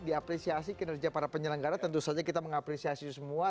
diapresiasi kinerja para penyelenggara tentu saja kita mengapresiasi semua